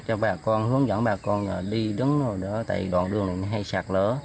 hướng dẫn bà con đi đứng tại đoạn đường này hay sạc lỡ